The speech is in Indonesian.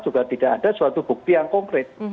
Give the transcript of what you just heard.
juga tidak ada suatu bukti yang konkret